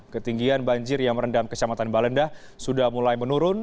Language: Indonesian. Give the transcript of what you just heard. ketinggian banjir yang merendam kecamatan balendah sudah mulai menurun